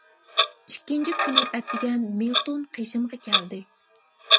ئىككىنچى كۈنى ئەتىگەن مىلتون قىشىمغا كەلدى.